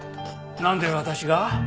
なんで私が？